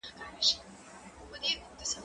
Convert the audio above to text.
دا نان له هغه تازه دی؟!